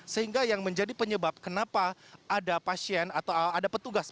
sehingga yang menjadi penyebab kenapa ada pasien atau ada petugas maksud kami yang terpapar di rumah sakit ini